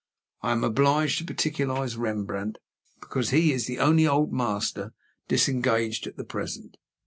I am obliged to particularize Rembrandt, because he is the only Old Master disengaged at present.